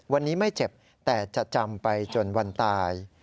วันนี้ไม่เจ็บแต่จะจำไปจนวันตาย